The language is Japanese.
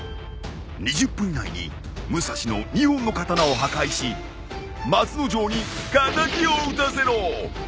２０分以内に武蔵の２本の刀を破壊し松之丞に敵を討たせろ。